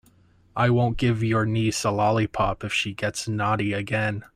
I won't give your niece a lollipop if she gets naughty again.